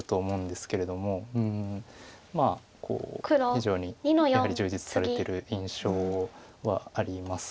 非常にやはり充実されてる印象はあります。